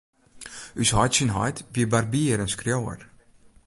Us heit syn heit wie barbier en skriuwer.